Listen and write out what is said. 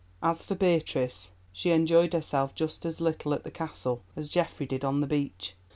As for Beatrice, she enjoyed herself just as little at the Castle as Geoffrey did on the beach.